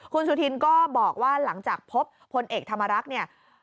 คุณสุธินก็บอกว่าหลังจากพบพลเอกธรรมรักษ์เนี่ย